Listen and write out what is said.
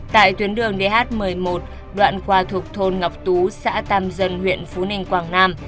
tại tuyến đường dh một mươi một đoạn qua thuộc thôn ngọc tú xã tam dân huyện phú ninh quảng nam